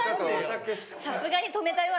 さすがに止めたよ